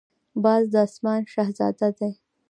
باز د آسمان شهزاده دی